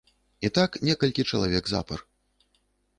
І так некалькі чалавек запар.